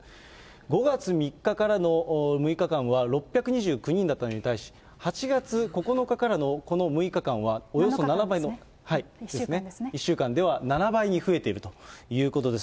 ５月３日からの６日間は６２９人だったのに対し、８月９日からのこの６日間は、１週間では７倍に増えているということです。